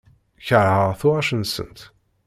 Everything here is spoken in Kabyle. Keṛheɣ tuɣac-nsent.